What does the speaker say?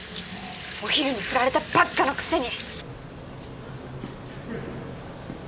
お昼にフラれたばっかのくせに！